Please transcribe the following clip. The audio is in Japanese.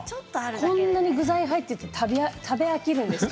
こんなに具材があって食べ飽きるんですか？